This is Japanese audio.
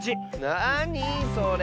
なにそれ？